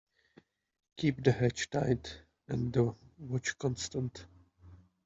Keep the hatch tight and the watch constant.